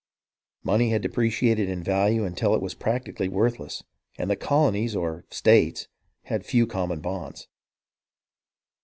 Money had depreciated in value until it was practically worthless, and the colonies or " states " had few common bonds.